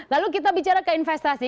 lalu kita bicara ke investasi